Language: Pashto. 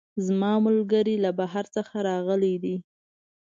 زما ملګرۍ له بهر څخه راغلی ده